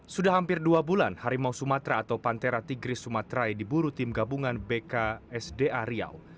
sudah hampir dua bulan harimau sumatera atau pantera tigris sumaterai diburu tim gabungan bksda riau